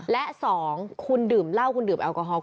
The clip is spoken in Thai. และ๒คุณดื่มเหล้าคุณดื่มแอลกอฮอล